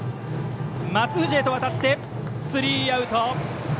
松藤へと渡ってスリーアウト。